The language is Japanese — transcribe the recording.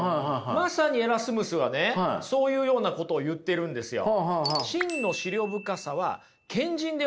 まさにエラスムスはねそういうようなことを言っているんですよ。